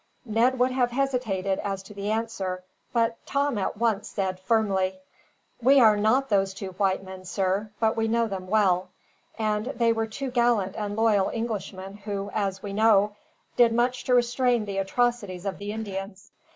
Ned would have hesitated as to the answer, but Tom at once said, firmly: "We are not those two white men, sir, but we know them well; and they were two gallant and loyal Englishmen who, as we know, did much to restrain the atrocities of the Indians.